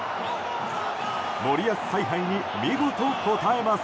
森保采配に見事、応えます。